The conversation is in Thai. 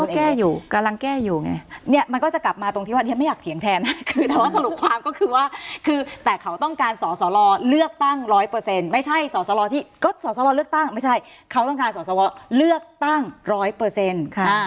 ก็แก้อยู่กำลังแก้อยู่ไงเนี่ยมันก็จะกลับมาตรงที่ว่าฉันไม่อยากเถียงแทนนะคือแต่ว่าสรุปความก็คือว่าคือแต่เขาต้องการสอสอรอเลือกตั้งร้อยเปอร์เซ็นต์ไม่ใช่สอสลอที่ก็สอสลเลือกตั้งไม่ใช่เขาต้องการสอสวเลือกตั้งร้อยเปอร์เซ็นต์